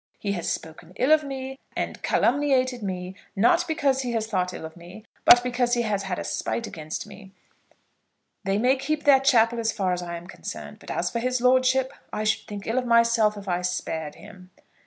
He has spoken ill of me, and calumniated me, not because he has thought ill of me, but because he has had a spite against me. They may keep their chapel as far as I am concerned. But as for his lordship, I should think ill of myself if I spared him."